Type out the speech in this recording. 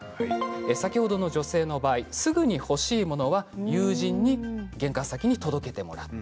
先ほどの女性の場合、すぐに欲しいものは友人に玄関先に届けてもらった。